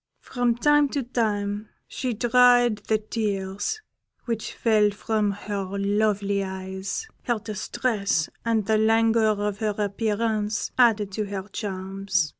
From time to time she dried the tears which fell from her lovely eyes; her distress and the languor of her appearance added to her charms.